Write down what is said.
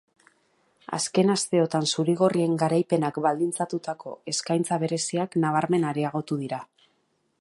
Azken asteotan zuri-gorrien garaipenak baldintzatutako eskaintza bereziak nabarmen areagotu dira.